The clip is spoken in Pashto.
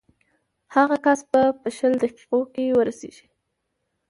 هغه کس به شل دقیقو کې ورسېږي.